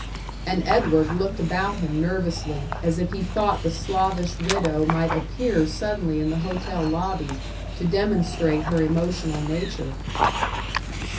And Edward looked about him nervously, as if he thought the Slavish widow might appear suddenly in the hotel lobby to demonstrate her emotional nature.